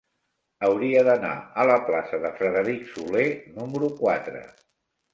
Hauria d'anar a la plaça de Frederic Soler número quatre.